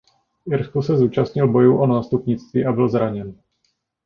V Irsku se zúčastnil bojů o nástupnictví a byl zraněn.